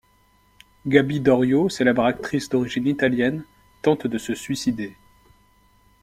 Gaby Doriot, célèbre actrice d'origine italienne, tente de se suicider.